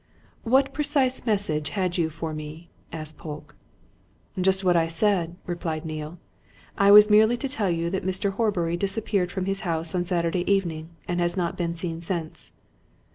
"What precise message had you for me?" asked Polke. "Just what I said," replied Neale. "I was merely to tell you that Mr. Horbury disappeared from his house on Saturday evening, and has not been seen since."